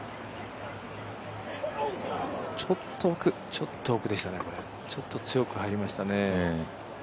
ちょっと奥でしたね、ちょっと強く入りましたね。